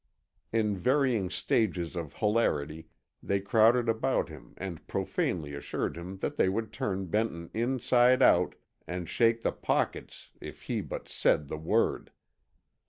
In varying stages of hilarity they crowded about him and profanely assured him that they would turn Benton inside out and shake the pockets if he but said the word.